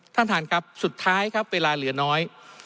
ท่านท่านครับสุดท้ายครับเวลาเหลือน้อย